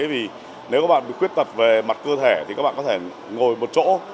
vì nếu các bạn khuyết tật về mặt cơ thể thì các bạn có thể ngồi một chỗ